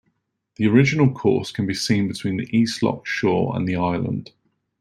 The original course can be seen between the east loch shore and the island.